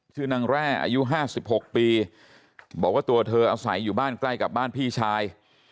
ชื่อนางแร่อายุ๕๖ปีบอกว่าตัวเธออาศัยอยู่บ้านใกล้กับบ้านพี่ชาย